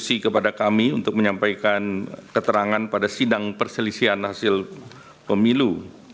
terima kasih kepada kami untuk menyampaikan keterangan pada sidang perselisihan hasil pemilu